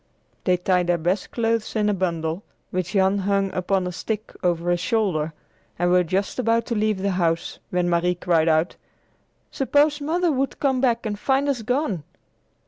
They tied their best clothes in a bundle, which Jan hung upon a stick over his shoulder, and were just about to leave the house, when Marie cried out, "Suppose Mother should come back and find us gone!"